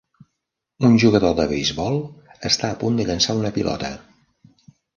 Un jugador de beisbol està a punt de llançar una pilota.